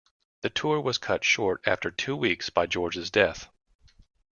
The tour was cut short after two weeks by George's death.